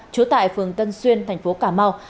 trú tại phường tân xuyên thành phố cà mau